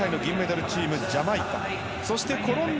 前回の金メダルチームのジャマイカ。